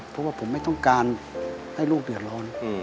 เพราะว่าผมไม่ต้องการให้ลูกเดือดร้อน